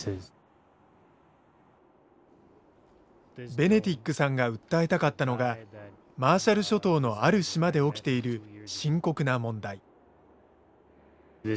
ベネティックさんが訴えたかったのがマーシャル諸島のある島で起きている深刻な問題。